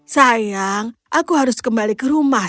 sayang aku harus kembali ke rumah